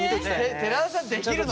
寺田さんできるの？